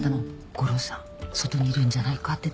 吾良さん外にいるんじゃないかって誰か。